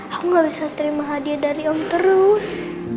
aku gak bisa terima hadiah dari om terus